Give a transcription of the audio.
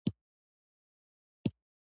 ګینس د دې کتاب ریکارډ ثبت کړی دی.